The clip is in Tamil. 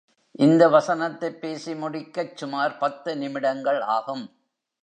இந்த வசனத்தைப் பேசி முடிக்கச் சுமார் பத்து நிமிடங்கள் ஆகும்.